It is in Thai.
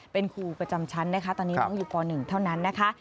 เป็นครูประจำชั้นนะคะตอนนี้น้องอยู่ป๑เท่านั้นนะคะ